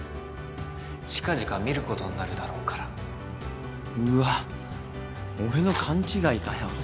近々見ることになるだろうかうわっ俺の勘違いかよ。